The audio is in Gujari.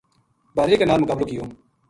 بھادری کے نال مقابلو کیو۔